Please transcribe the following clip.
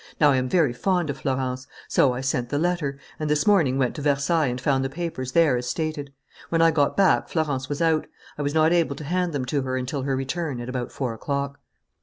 Now, I am very fond of Florence. So I sent the letter, and this morning went to Versailles and found the papers there, as stated. When I got back, Florence was out. I was not able to hand them to her until her return, at about four o'clock."